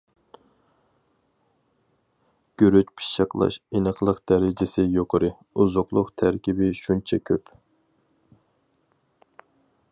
گۈرۈچ پىششىقلاش ئېنىقلىق دەرىجىسى يۇقىرى، ئوزۇقلۇق تەركىبى شۇنچە كۆپ.